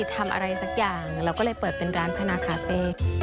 ทำอะไรสักอย่างเราก็เลยเปิดเป็นร้านพนาคาเฟ่